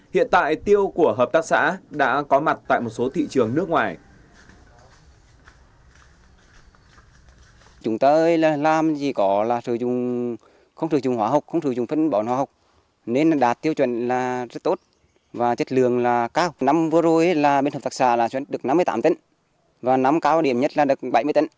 hiện tại tiêu của hợp tác xã đã có mặt tại một số thị trường nước ngoài